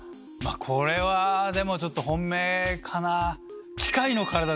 これはでもちょっと本命かな。